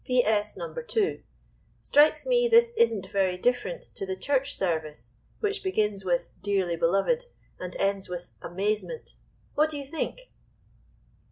"P.S. No. 2.—Strikes me this isn't very different to the Church Service, which begins with 'Dearly beloved,' and ends with 'amazement.' What do you think?"